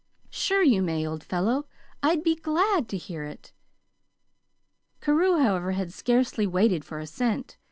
"Sure you may, old fellow. I'd be glad to hear it." Carew, however, had scarcely waited for assent.